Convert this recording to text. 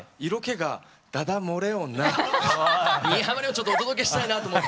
ちょっとお届けしたいなと思って。